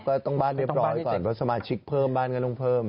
บ้านเรียบร้อยก่อนเพราะสมาชิกเพิ่มบ้านก็ต้องเพิ่ม